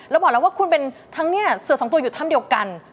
แล้วบอกแล้วว่าคุณเป็นทั้งเนี่ยเสือสองตัวอยู่ถ้ำเดียวกัน